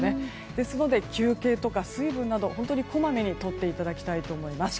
ですので休憩とか水分など本当にこまめにとっていただきたいと思います。